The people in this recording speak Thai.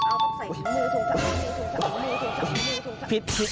เอาต้องใส่มือถุงเท้า